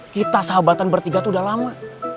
kita sahabatan bertiga itu udah lama